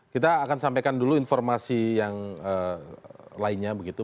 kita akan sampaikan dulu informasi yang lainnya begitu